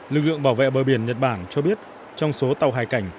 lực lượng bảo vệ bờ biển nhật bản cho biết trong số tàu hải cảnh